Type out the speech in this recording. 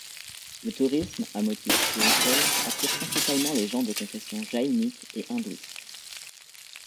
Le tourisme à motif spirituel attire principalement les gens de confession jaïniste et hindouiste.